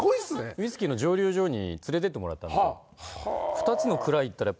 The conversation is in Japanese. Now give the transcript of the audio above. ウイスキーの蒸留所に連れてってもらったんですよ。